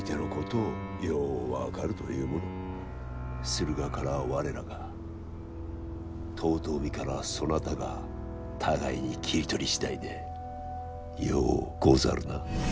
駿河からは我らが遠江からはそなたが互いに切り取り次第でようござるな。